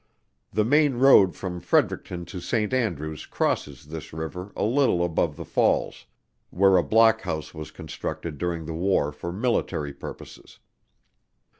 The main road from Fredericton to Saint Andrews crosses this river a little above the falls, where a blockhouse was constructed during the war for military purposes.